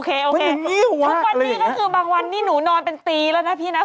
โอเคทุกวันนี้ก็คือบางวันนี้หนูนอนเป็นปีแล้วนะพี่นะ